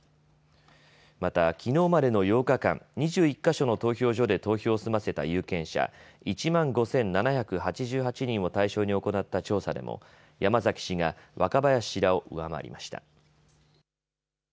また、きのうまでの８日間、２１か所の投票所で投票を済ませた有権者１万５７８８人を対象に行った調査でも山崎氏が若林氏らを上回りました。